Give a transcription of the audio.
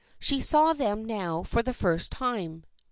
She saw them now for the first time.